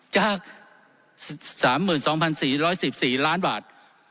จาก๓๒๔๑๔ล้านบาท